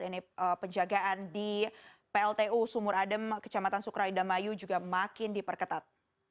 ini penjagaan di pltu sumur adem kecamatan sukraidamayu juga makin diperketat